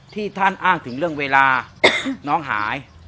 ที่ท่านอ้างถึงเรื่องเวลาน้องหาย